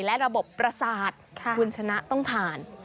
และระบบประสาทคุณชนะต้องทาน